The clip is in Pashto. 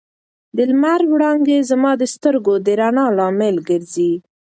د لمر وړانګې زما د سترګو د رڼا لامل ګرځي.